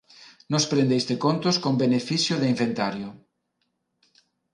Nos prende iste contos con beneficio de inventario.